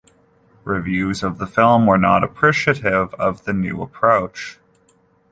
Reviews of the film were not appreciative of the new approach.